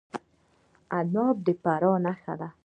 عناب د فراه نښه ده.